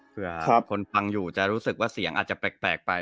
เพื่อคนฟังอยู่จะรู้สึกว่าเสียงอาจจะแปลกไป